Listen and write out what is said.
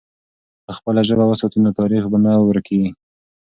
که خپله ژبه وساتو، نو تاریخ به نه ورکېږي.